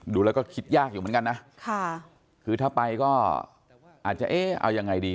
ดูแล้วก็คิดยากอยู่เหมือนกันนะค่ะคือถ้าไปก็อาจจะเอ๊ะเอายังไงดี